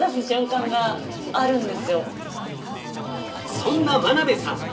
そんな眞鍋さん